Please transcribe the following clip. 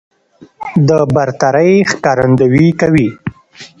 د برترۍ ښکارندويي کوي